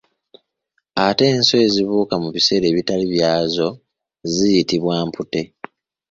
Ate enswa ezibuuka mu biseera ebitali byazo ziyitibwa mputte.